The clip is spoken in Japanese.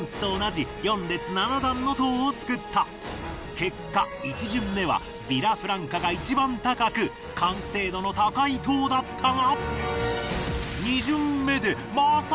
結果１巡目はヴィラフランカが一番高く完成度の高い塔だったが。